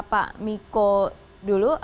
pak miko dulu